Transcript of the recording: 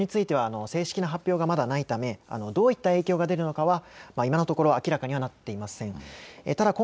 詳しい状況については正式な発表がまだないためどういった影響が出るのかは今のところ明らかにはなっていません。